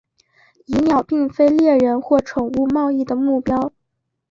蚁鸟并非猎人或宠物贸易的目标。